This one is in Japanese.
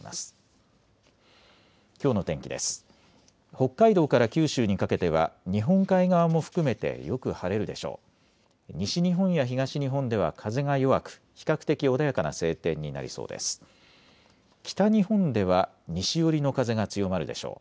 北海道から九州にかけては日本海側も含めてよく晴れるでしょう。